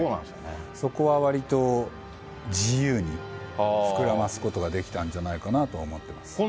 そこはわりと、自由に膨らますことができたんじゃないかなと思ってます。